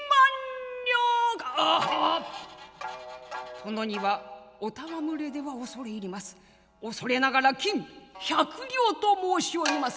殿にはお戯れでは恐れ入ります恐れながら金１００両と申しおります」。